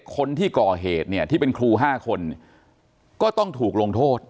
คนที่ก่อเหตุเนี่ยที่เป็นครู๕คนก็ต้องถูกลงโทษ